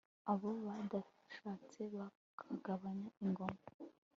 abo badashatse bakabanyaga ingoma